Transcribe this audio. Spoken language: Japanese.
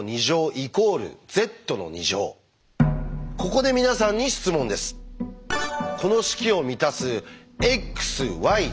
ここで皆さんに質問です。え？